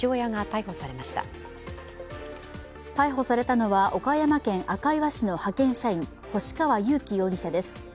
逮捕されたのは岡山県赤磐市の派遣社員、星川佑樹容疑者です。